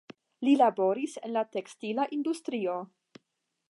Li laboris en la tekstila industrio.